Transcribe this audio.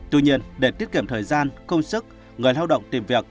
tuy nhiên để tiết kiệm thời gian công sức người lao động tìm việc